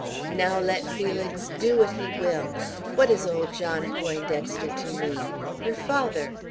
Now let Felix do what he will! What is old John Poindexter to me? Her father.